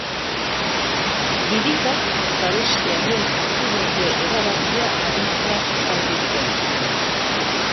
Birikak babestearren hartu dute erabakia adituak azaldu duenez.